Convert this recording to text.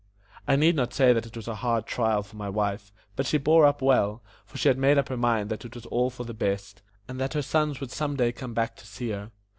I need not say that it was a hard trial for my wife; but she bore up well, for she had made up her mind that it was all for the best, and that her sons would some day come back to see her.